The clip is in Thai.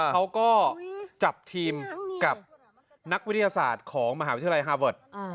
เขาก็จับทีมกับนักวิทยาศาสตร์ของมหาวิทยาลัยฮาเวิร์ด